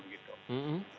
pasal mengandung banyak makna